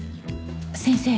先生